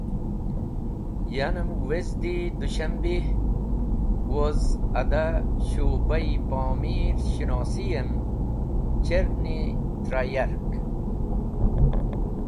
Yanem wezdi Dushambeh woz ada Shu’ba-e Pomir Shinosiyem cherni trẽ yark.